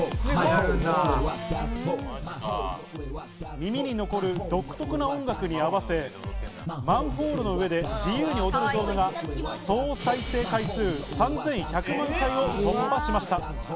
耳に残る独特な音楽に合わせ、マンホールの上で自由に踊る動画が総再生回数３１００万回を突破しました。